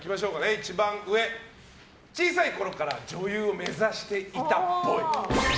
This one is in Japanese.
一番上の、小さいころから女優を目指してたっぽい。